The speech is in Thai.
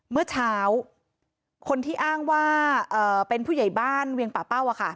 เมื่อเช้าคนที่อ้างว่าเป็นผู้ใหญ่บ้านเวียงป่าเป้า